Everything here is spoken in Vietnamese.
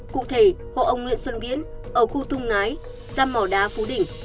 cụ thể hộ ông nguyễn xuân viến ở khu thung ngái giam mỏ đá phú đỉnh